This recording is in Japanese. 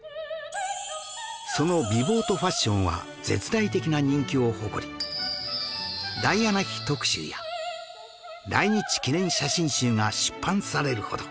その美貌とファッションは絶大的な人気を誇りダイアナ妃特集や来日記念写真集が出版されるほど